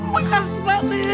makasih pak dea